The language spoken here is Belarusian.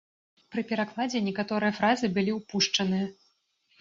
Пры перакладзе некаторыя фразы былі ўпушчаныя.